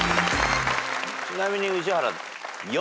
ちなみに宇治原。